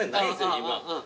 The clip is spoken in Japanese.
今。